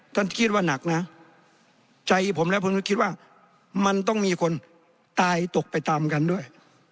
ท่านคิดว่านักนะใจผมแล้วผมก็คิดว่ามันต้องมีคนตายตกไปตามกันด้วย